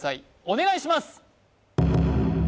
お願いします！